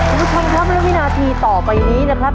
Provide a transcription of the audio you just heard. คุณผู้ชมครับเดี๋ยวนาทีต่อไปวันนี้นะครับ